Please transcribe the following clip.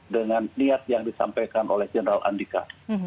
dengan niat yang disampaikan oleh jenderal andika